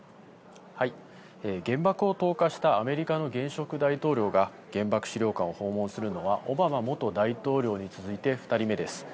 原爆を投下したアメリカの現職大統領が原爆資料館を訪問するのは、オバマ元大統領に続いて２人目です。